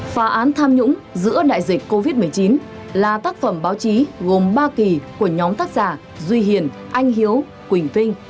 phá án tham nhũng giữa đại dịch covid một mươi chín là tác phẩm báo chí gồm ba kỳ của nhóm tác giả duy hiền anh hiếu quỳnh vinh